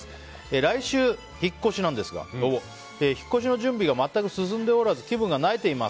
来週、引っ越しなんですが引っ越しの準備が全く進んでおらず気分がなえています。